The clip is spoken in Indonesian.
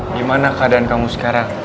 gimana keadaan kamu sekarang